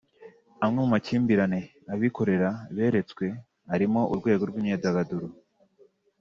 Amwe mu mahirwe abikorera beretswe arimo urwego rw’imyidagaduro